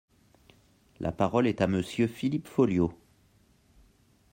La parole est à Monsieur Philippe Folliot.